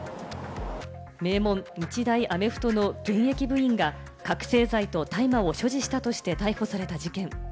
名門・日大アメフト部の現役部員が覚せい剤と大麻を所持したとして逮捕された事件。